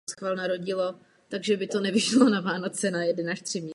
Do nového západního průčelí byl vsazen původní raně barokní portál.